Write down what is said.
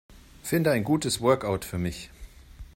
Finde ein gutes Workout für mich.